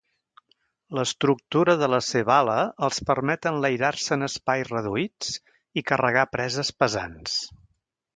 L'estructura de la seva ala els permet enlairar-se en espais reduïts i carregar preses pesants.